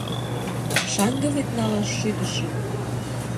— Шаҥге вет налаш шӱдышым!